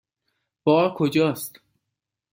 بار کجاست؟